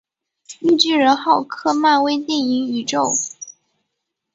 绿巨人浩克漫威电影宇宙